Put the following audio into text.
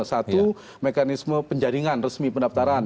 satu mekanisme penjaringan resmi pendaftaran